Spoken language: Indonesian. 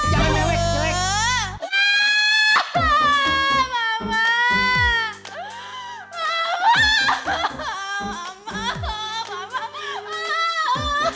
jangan mewek jelek